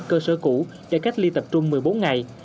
cơ sở cũ để cách ly tập trung một mươi bốn ngày